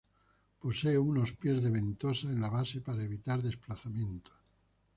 Poseen unos pies de ventosa en la base para evitar desplazamientos.